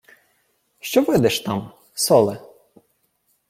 — Що видиш там, соле?